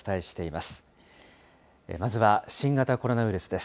まずは新型コロナウイルスです。